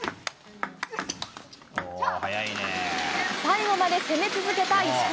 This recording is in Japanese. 最後まで攻め続けた石川。